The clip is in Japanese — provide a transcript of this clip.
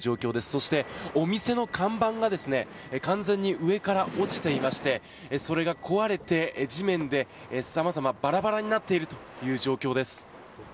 そして、お店の看板が完全に上から落ちていましてそれが壊れて地面でばらばらになっているという状態、状況です。